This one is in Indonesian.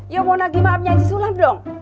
ya mau nagih maafnya haji sulam dong